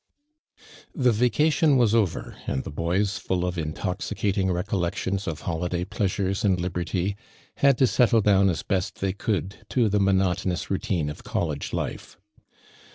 The vacation wa.s over, aaid the hoys, full )f intoxicating rooolleotions of holiday plea sures and liherty, had to settle down as best they could to the monotonous routine of college life.